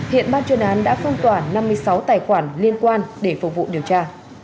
hiện ban chuyên án đã phong tỏa năm mươi sáu tài khoản liên quan để phục vụ điều tra